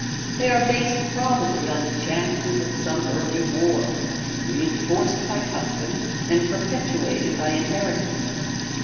They are based probably on the chances of some early war, reinforced by custom and perpetuated by inheritance.